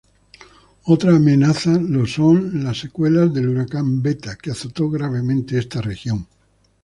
Otra amenaza lo son las secuelas del Huracán Beta que azotó gravemente esta región.